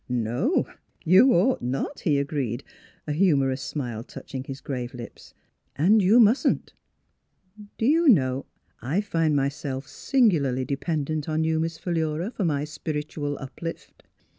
" No, you ought not," he agreed, a humorous NEIGHBORS 69 smile touching his grave lips. " And you mustn't. Do you know I find myself singularly dependent on you, Miss Philura, for my spiritual uplift?"